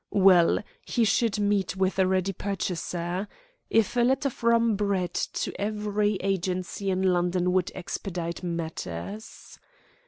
Well, he should meet with a ready purchaser, if a letter from Brett to every agency in London would expedite matters.